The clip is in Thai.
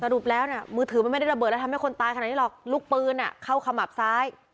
รวมศพลขนาดนี้ลูกปืนเข้าขมับซ้าย